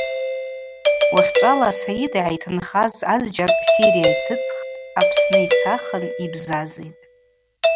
Уахьчӏвала Саид йгӏайтынхаз азджьакӏ Сирия йтыцӏхтӏ, Апсны йцахын йбзазитӏ.